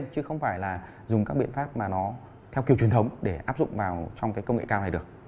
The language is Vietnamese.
chứ không phải là dùng các biện pháp mà nó theo kiểu truyền thống để áp dụng vào trong cái công nghệ cao này được